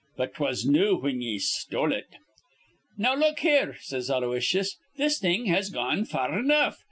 'But 'twas new whin ye stole it.' "'Now look here,' says Aloysius, 'this thing has gone far enough.